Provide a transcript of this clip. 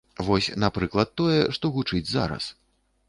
Вось, напрыклад, тое, што гучыць зараз.